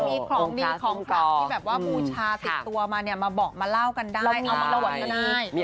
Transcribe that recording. ไผ้พร้อมนี้ก็คือของที่บูชาติดตัวมาบอกมาเล่ากันได้